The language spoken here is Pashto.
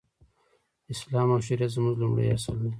اسلام او شريعت زموږ لومړی اصل دی.